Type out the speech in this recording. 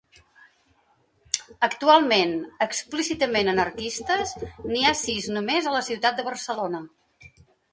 Actualment -explícitament anarquistes- n’hi ha sis només a la ciutat de Barcelona.